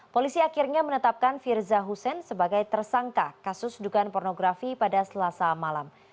polisi akhirnya menetapkan firza hussein sebagai tersangka kasus dugaan pornografi pada selasa malam